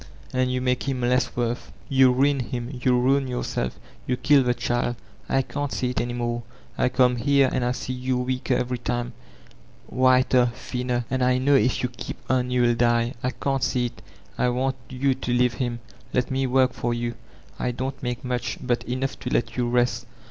And you make him less worth. Yoa ruin him, you ruin yourself, you kill the child. I can't see it any more. I come here, and I see you weaker every time, whiter, thinner. And I know if you keep on you'll die. I can't see it I want jroo to ksuve Um; let me work for you. I don't make modi, but eooqgh to let you rest.